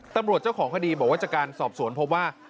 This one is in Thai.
เจ้าของคดีบอกว่าจากการสอบสวนพบว่า